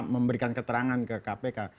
memberikan keterangan ke kpk